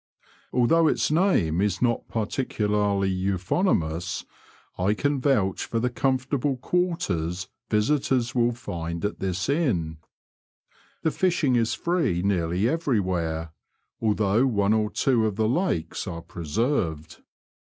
Although its name is not particularly euphonious, I can vouch for the comfortable quarters visitors will find at this inn. The fishing is firee nearly everywhere, although one or two of the lakes are preserved.